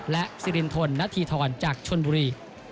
และสิรินทนณฑีธรจากชนบุรี